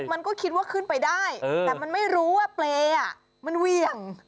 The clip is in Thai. มันก็คิดว่าขึ้นไปได้แต่มันไม่รู้ว่าเปรย์มันเหวี่ยง